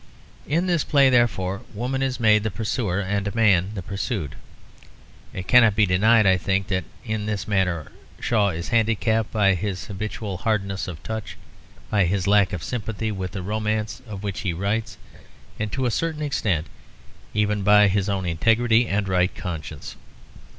In this play, therefore, woman is made the pursuer and man the pursued. It cannot be denied, I think, that in this matter Shaw is handicapped by his habitual hardness of touch, by his lack of sympathy with the romance of which he writes, and to a certain extent even by his own integrity and right conscience.